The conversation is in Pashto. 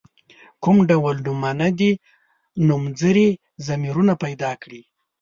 کوم ډول نومونه دي نومځري ضمیرونه پیداکړي.